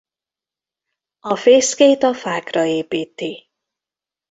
A fészkét a fákra építi.